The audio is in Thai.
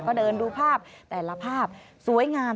ก็เดินดูภาพแต่ละภาพสวยงาม